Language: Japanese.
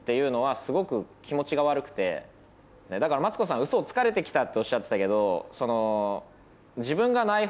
マツコさんウソをつかれて来たっておっしゃってたけど。